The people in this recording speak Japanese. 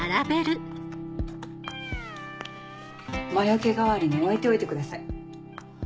魔よけ代わりに置いておいてください。